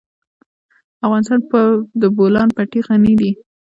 افغانستان په د بولان پټي غني دی.